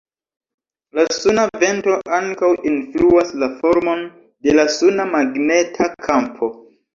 La suna vento ankaŭ influas la formon de la suna magneta kampo.